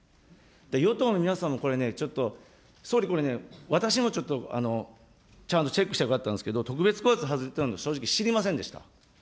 与党の皆さんもこれね、ちょっと、総理、これね、私もちょっと、ちゃんとチェックしたらよかったんですけど、特別高圧外したの、正直、知りませんでした。